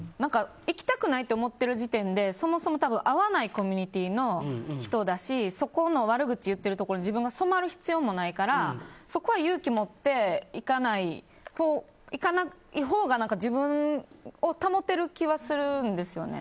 行きたくないって思ってる時点でそもそも合わないコミュニティーの人だしそこの悪口言ってるところに染まる必要もないからそこは勇気持って行かないほうが自分を保てる気はするんですよね。